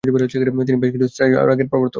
তিনি বেশ কিছু শাস্ত্রীয় রাগের প্রবর্তক।